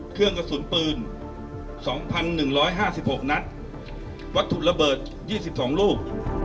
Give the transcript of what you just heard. เครื่องกระสุนปืน๒๑๕๖นัดวัตถุระเบิด๒๒ลูก